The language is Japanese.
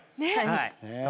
はい。